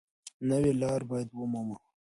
نوې لاره باید ومومو.